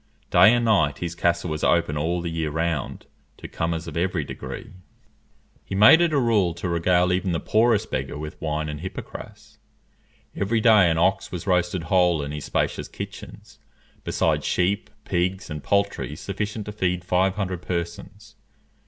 Day and night his castle was open all the year round to comers of every degree. He made it a rule to regale even the poorest beggar with wine and hippocrass. Every day an ox was roasted whole in his spacious kitchens, besides sheep, pigs, and poultry sufficient to feed five hundred persons.